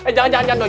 eh jangan jangan doi